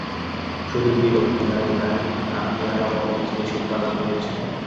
শুধু বিরক্তি না ভাই, আপনি আরো অনেক জিনিস উৎপাদন করেছেন।